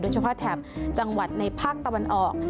เฉพาะแถบจังหวัดในภาคตะวันออก